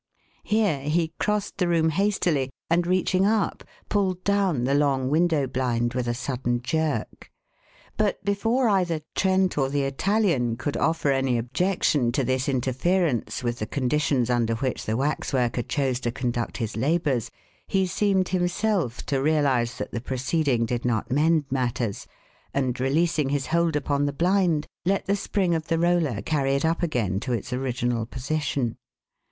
Here he crossed the room hastily and, reaching up, pulled down the long window blind with a sudden jerk. But before either Trent or the Italian could offer any objection to this interference with the conditions under which the waxworker chose to conduct his labours, he seemed, himself, to realize that the proceeding did not mend matters, and, releasing his hold upon the blind, let the spring of the roller carry it up again to its original position.